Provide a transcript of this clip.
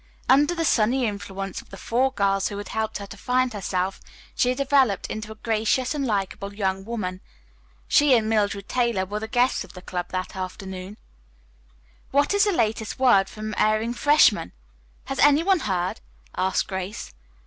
Under the sunny influence of the four girls who had helped her to find herself, she had developed into a gracious and likeable young woman. She and Mildred Taylor were the guests of the club that afternoon. "What is the latest word from erring freshmen? Has any one heard?" asked Grace.